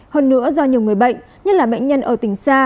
hơn nữa do nhiều người bệnh nhất là bệnh nhân ở tỉnh xa